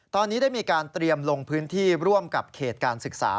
ตอนนี้ได้มีการเตรียมลงพื้นที่ร่วมกับเขตการศึกษา